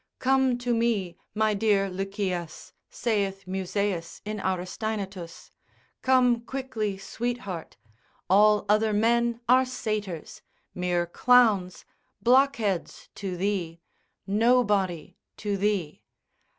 Come to me my dear Lycias, (saith Musaeus in Aristaenetus) come quickly sweetheart, all other men are satyrs, mere clowns, blockheads to thee, nobody to thee.